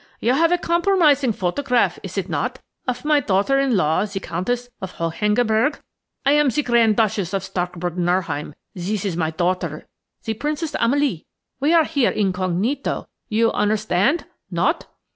You have a compromising photograph–is it not?–of my daughter in law ze Countess of Hohengebirg. I am ze Grand Duchess of Starkburg Nauheim–zis is my daughter, ze Princess Amalie. We are here incognito. You understand? Not?"